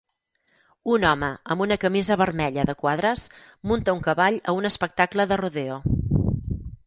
Un home amb una camisa vermella de quadres munta un cavall a un espectacle de rodeo.